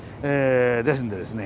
ですんでですね